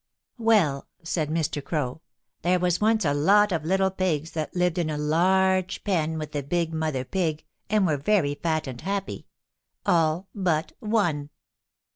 Well, said Mr. Crow, there was once a lot of little pigs that lived in a large pen with the big mother pig and were very fat and happy all but one.